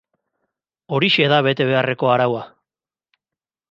Horixe da bete beharreko araua.